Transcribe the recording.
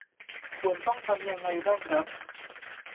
ควรต้องทำยังไงบ้างครับ?